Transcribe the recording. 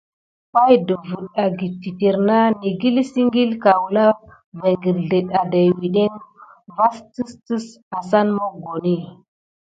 Pay ɗəfiŋ agəte titiré naku negəlke ikil kulan va kirzel adawuteki va tisic asane mokoni.